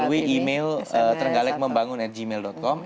melalui email ternggalekmembangun gmail com